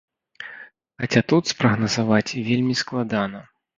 Хаця тут спрагназаваць вельмі складана.